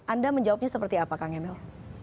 anda menjawabnya seperti apa kang emil